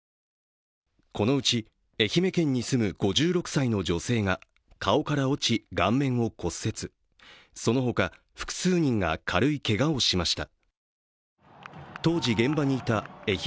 このうち、愛媛県に住む５６歳の女性が顔から落ち顔面を骨折、そのほか、複数人が軽いけがをしました。